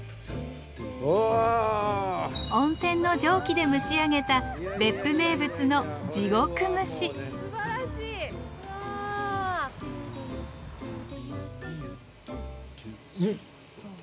温泉の蒸気で蒸し上げた別府名物のんっ！